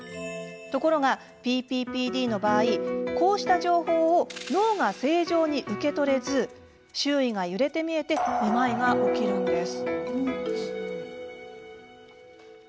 ところがＰＰＰＤの場合こうした情報を脳が正常に受け取れず周囲が揺れて見えてめまいが起きるんです。